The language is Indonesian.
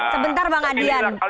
sebentar bang adian